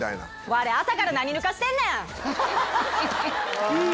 われ朝から何ぬかしてんねん！